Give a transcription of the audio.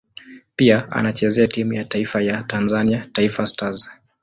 Pia anachezea timu ya taifa ya Tanzania Taifa Stars.